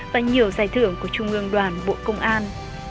và nhiều giải thưởng của trung ương đoàn bộ công an